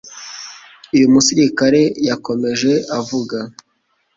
Uyu musirikare yakomeje avuga